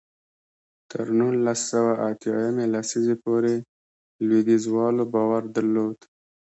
تر نولس سوه اتیا یمې لسیزې پورې لوېدیځوالو باور درلود.